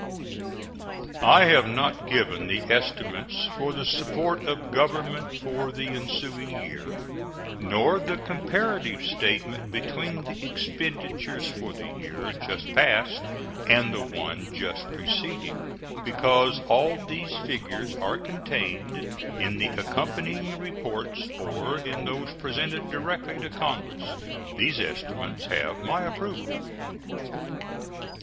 I have not given the estimates for the support of Government for the ensuing year, nor the comparative statement between the expenditures for the year just passed and the one just preceding, because all these figures are contained in the accompanying reports or in those presented directly to Congress. These estimates have my approval.